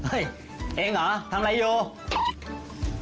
เองเหรอทำอะไรอยู่